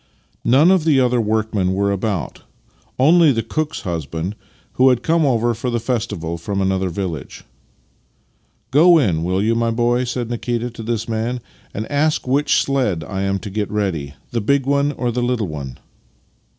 None of the other workmen were about — only the cook's husband, who had come over for the festival from another village. " Go in, will 3' ou, my boy," said Nikita to this man, " and ask which sledge 1 am to get ready — the big one or the httle one?